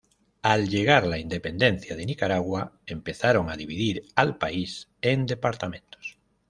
Al llegar la independencia de Nicaragua empezaron a dividir al país en departamentos.